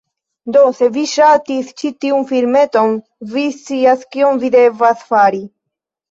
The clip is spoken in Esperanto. Do se vi ŝatis ĉi tiun filmeton, vi scias kion vi devas fari…